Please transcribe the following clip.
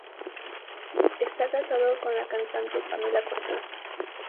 Está casado con la cantante Pamela Cortez.